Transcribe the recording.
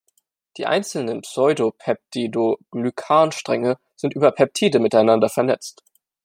Die einzelnen Pseudopeptidoglycan-Stränge sind über Peptide miteinander vernetzt.